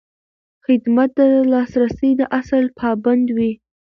خدمت د لاسرسي د اصل پابند وي.